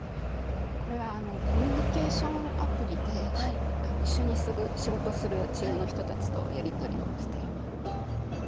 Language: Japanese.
これはコミュニケーションアプリで一緒に仕事するチームの人たちとやり取りをしています。